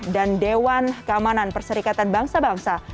dewan keamanan perserikatan bangsa bangsa